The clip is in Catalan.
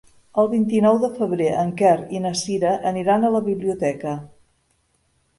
El vint-i-nou de febrer en Quer i na Cira aniran a la biblioteca.